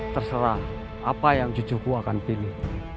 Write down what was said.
terserah apa yang cucuku akan pilih